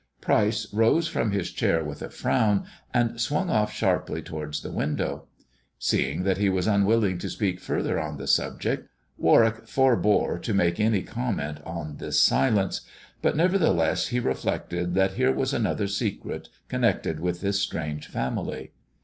Pryce rose from his chair with a frown, and swung off sharply towards the window. Seeing that he was unwilling to speak further on the subject, Warwick forbore to make any comment on this silence ; but nevertheless he reflected that here was another secret connected with this strange family.